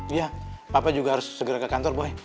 iya papa juga harus segera ke kantor boleh